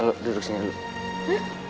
lo duduk sini dulu